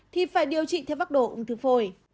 thì phải điều trị theo pháp đồ ung thư phổi